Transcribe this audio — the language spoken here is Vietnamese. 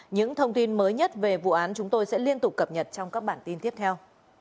những thông tin mới nhất về vụ án chúng tôi sẽ liên tục cập nhật trong các bản tin tiếp theo